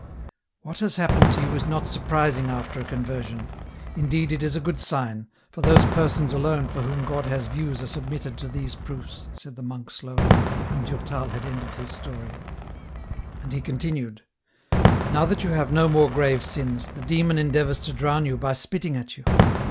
" What has happened to you is not surprising after a conversion ; indeed, it is a good sign, for those persons alone for whom God has views are submitted to these proofs," said the monk slowly, when Durtal had ended his story. 253 254 EN ROUTE. And he continued, " Now that you have no more grave sins, the Demon en deavours to drown you by spitting at you.